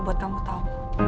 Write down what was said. buat kamu tau